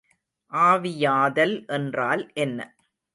ஆவியாதல் என்றால் என்ன?